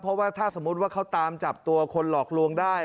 เพราะว่าถ้าสมมุติว่าเขาตามจับตัวคนหลอกลวงได้